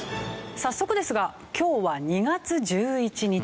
早速ですが今日は２月１１日。